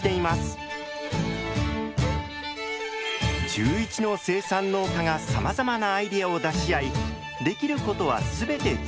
１１の生産農家がさまざまなアイデアを出し合い出来ることはすべて実践。